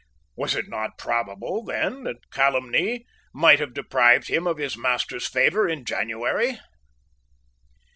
Was it not probable, then, that calumny might have deprived him of his master's favour in January?